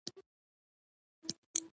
د شير حاجي کلا دولس توپونه لري.